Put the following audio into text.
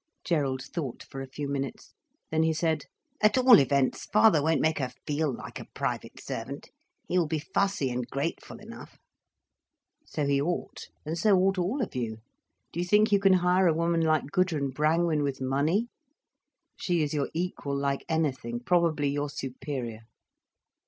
Gerald thought for a few minutes. Then he said: "At all events, father won't make her feel like a private servant. He will be fussy and greatful enough." "So he ought. And so ought all of you. Do you think you can hire a woman like Gudrun Brangwen with money? She is your equal like anything—probably your superior."